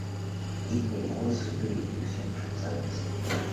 It may also be used in fruit salads.